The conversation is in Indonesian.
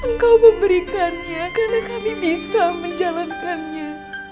engkau memberikannya karena kami bisa menjalankannya